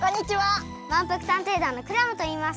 まんぷく探偵団のクラムといいます。